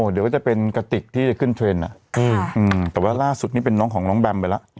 เดี๋ยวก็จะเป็นกระติกที่จะขึ้นเทรนด์แต่ว่าล่าสุดนี่เป็นน้องของน้องแบมไปแล้ว